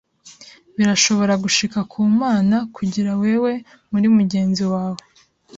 Birashobora gushika ku Mana kuri wewe kuri mugenzi wawe